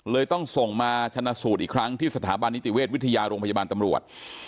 ต้องส่งมาชนะสูตรอีกครั้งที่สถาบันนิติเวชวิทยาโรงพยาบาลตำรวจ